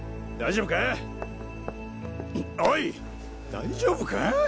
大丈夫か！？